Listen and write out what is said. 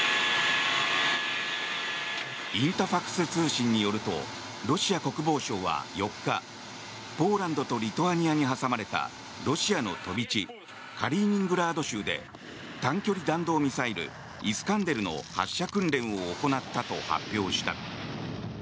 インタファクス通信によるとロシア国防省は４日ポーランドとリトアニアに挟まれたロシアの飛び地カリーニングラード州で短距離弾道ミサイルイスカンデルの発射訓練を行ったと発表した。